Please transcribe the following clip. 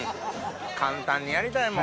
簡単にやりたいもん。